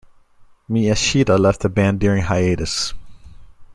Miyashita left the band during hiatus.